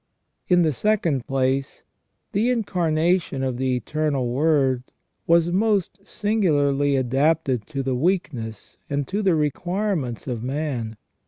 In the second place, the Incarnation of the Eternal Word was most singularly adapted to the weakness and to the requirements of man.